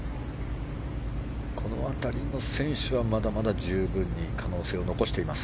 この辺りの選手はまだまだ十分に可能性を残しています。